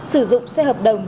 sử dụng xe hợp đồng